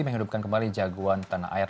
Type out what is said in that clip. menghidupkan kembali jagoan tanah air